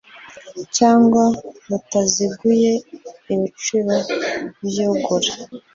cyangwa butaziguye ibiciro by ugura